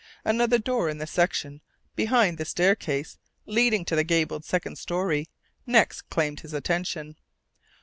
Another door in the section behind the staircase leading to the gabled second story next claimed his attention.